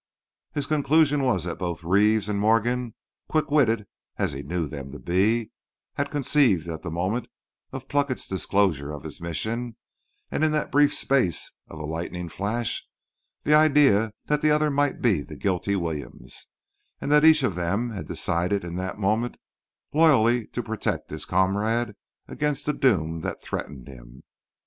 His conclusion was that both Reeves and Morgan, quickwitted, as he knew them to be, had conceived at the moment of Plunkett's disclosure of his mission—and in the brief space of a lightning flash—the idea that the other might be the guilty Williams; and that each of them had decided in that moment loyally to protect his comrade against the doom that threatened him.